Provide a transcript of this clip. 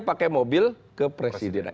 pakai mobil kepresidenan